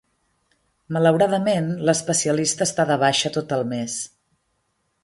Malauradament, l'especialista està de baixa tot el mes.